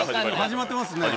始まってますね。